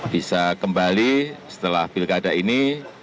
bisa kembali setelah pilkada ini